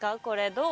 どう？